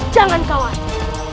jangan kau hati